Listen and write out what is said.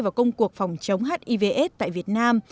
vào công cuộc phòng chống hiv aids tại việt nam